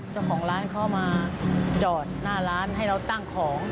เจ้าของร้านเข้ามาจอดหน้าร้านให้เราตั้งของ